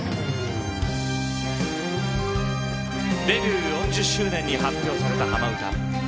デビュー４０周年に発表された「浜唄」。